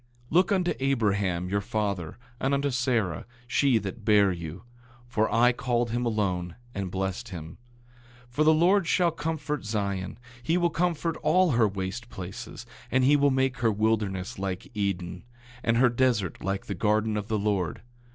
8:2 Look unto Abraham, your father, and unto Sarah, she that bare you; for I called him alone, and blessed him. 8:3 For the Lord shall comfort Zion, he will comfort all her waste places; and he will make her wilderness like Eden, and her desert like the garden of the Lord.